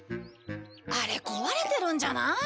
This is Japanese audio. あれ壊れてるんじゃない？